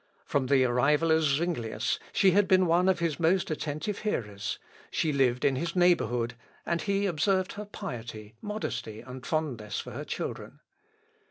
From the arrival of Zuinglius she had been one of his most attentive hearers: she lived in his neighbourhood, and he observed her piety, modesty, and fondness for her children.